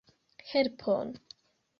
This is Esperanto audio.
Helpon!